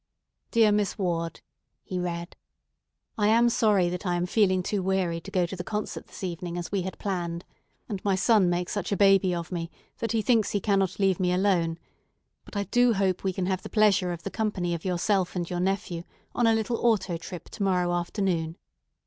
"'Dear Miss Ward,'" he read, "'I am sorry that I am feeling too weary to go to the concert this evening as we had planned, and my son makes such a baby of me that he thinks he cannot leave me alone; but I do hope we can have the pleasure of the company of yourself and your nephew on a little auto trip to morrow afternoon.